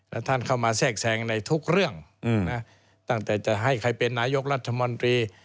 และท่านเข้ามาแทรกแทรงในทุกเรื่องตั้งแต่จะให้ใครเป็นนายกรัฐมนตรี